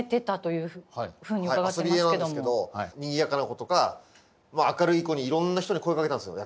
遊びでなんですけどにぎやかな子とか明るい子にいろんな人に声かけたんですよ